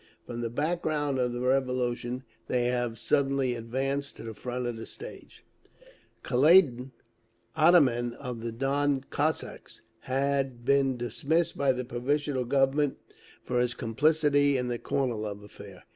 From the back ground of the Revolution they have suddenly advanced to the front of the stage…. Kaledin, ataman of the Don Cossacks, had been dismissed by the Provisional Government for his complicity in the Kornilov affair.